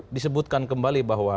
disebutkan kembali bahwa